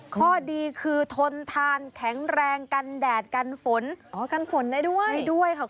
ข้อดีคือทนทานแข็งแรงกันแดดกันฝนอ๋อกันฝนได้ด้วยได้ด้วยค่ะคุณ